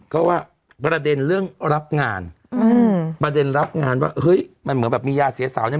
ก็ว่าประเด็นเรื่องรับงานอืมประเด็นรับงานว่าเฮ้ยมันเหมือนแบบมียาเสียสาวเนี่ย